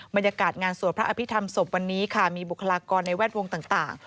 บรรยากาศงานสวดพระอภิษฐรรมศพวันนี้ค่ะมีบุคลากรในแวดวงต่าง